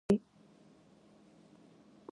او نور به هم ښه شي.